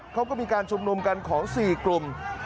เขาก็มีการชุมนุมกันของ๔กลุ่ม